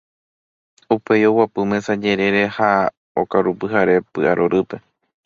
upéi oguapy mesa jerere ha okarupyhare py'arorýpe.